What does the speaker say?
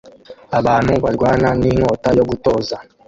abantu barwana ninkota yo gutoza